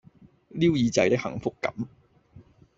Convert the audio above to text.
撩耳仔的幸福感